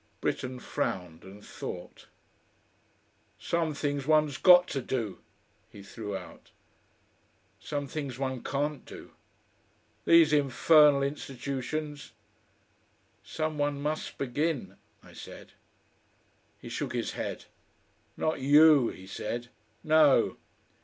Britten frowned and thought. "Some things one's GOT to do," he threw out. "Some things one can't do." "These infernal institutions " "Some one must begin," I said. He shook his head. "Not YOU," he said. "No!"